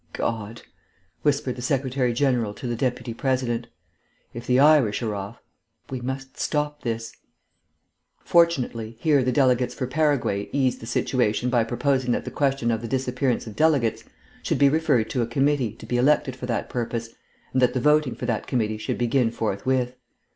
"My God," whispered the Secretary General to the Deputy President. "If the Irish are off.... We must stop this." Fortunately, here the delegates for Paraguay eased the situation by proposing that the question of the disappearance of delegates should be referred to a committee to be elected for that purpose, and that the voting for that committee should begin forthwith.